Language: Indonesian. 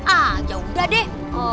ah yaudah deh